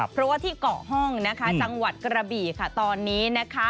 เพราะว่าที่เกาะห้องจังหวัดกระบีตอนนี้